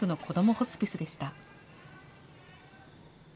ホスピスでした。